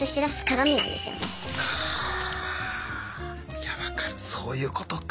いやわかるそういうことか。